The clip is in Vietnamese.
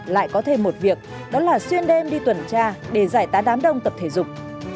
lại có thêm một việc đó là xuyên đêm đi tuần tra để giải tán đám đông tập thể dục